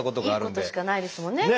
いいことしかないですもんねきっとね。